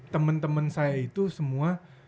teman teman saya itu semua